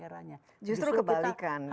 eranya justru kebalikan ya